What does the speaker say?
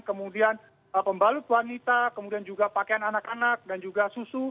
kemudian pembalut wanita kemudian juga pakaian anak anak dan juga susu